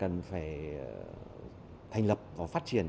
cần phải thành lập và phát triển